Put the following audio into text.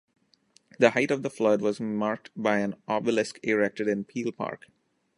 The height of the flood was marked by an obelisk erected in Peel Park.